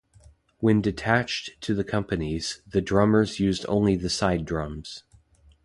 When detached to the companies, the drummers used only the side drums.